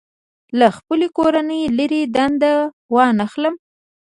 له خپلې کورنۍ لرې دنده وانخلم.